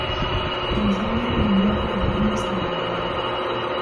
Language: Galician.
Incendio nun bloque de vivendas en Badalona.